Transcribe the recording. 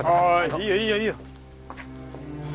いいよいいよいいよ。